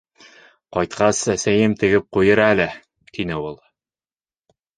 - Ҡайтҡас, әсәйем тегеп ҡуйыр әле, - тине ул.